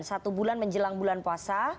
satu bulan menjelang bulan puasa